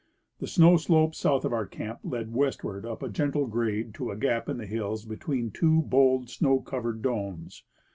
The snow slope south of our camp led westward up a gentle grade to a gap in the hills between two bold, snow covered domes.